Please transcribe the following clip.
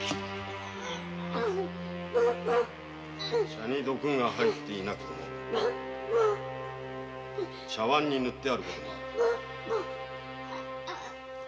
茶に毒が入ってなくても茶わんに塗ってある事もある。